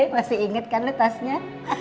masih inget kan lo tasnya